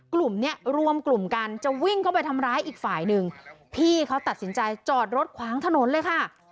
กลุ่มเนี้ยรวมกลุ่มกันจะวิ่งเข้าไปทำร้ายอีกฝ่ายหนึ่งพี่เขาตัดสินใจจอดรถขวางถนนเลยค่ะ